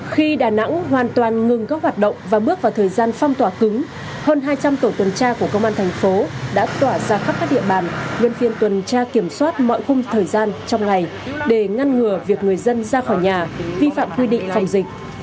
khi đà nẵng hoàn toàn ngừng các hoạt động và bước vào thời gian phong tỏa cứng hơn hai trăm linh tổ tuần tra của công an thành phố đã tỏa ra khắp các địa bàn nhân viên tuần tra kiểm soát mọi khung thời gian trong ngày để ngăn ngừa việc người dân ra khỏi nhà vi phạm quy định phòng dịch